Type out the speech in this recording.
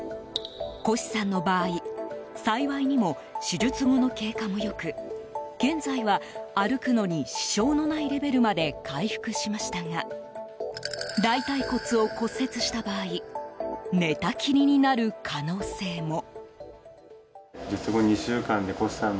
輿さんの場合、幸いにも手術後の経過も良く現在は、歩くのに支障のないレベルまで回復しましたが大腿骨を骨折した場合寝たきりになる可能性も。